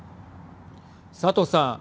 佐藤さん。